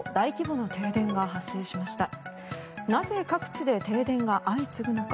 なぜ各地で停電が相次ぐのか。